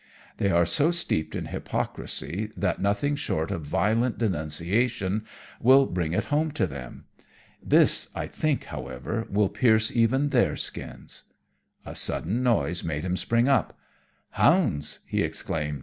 They are so steeped in hypocrisy that nothing short of violent denunciation will bring it home to them. This I think, however, will pierce even their skins." A sudden noise made him spring up. "Hounds!" he exclaimed.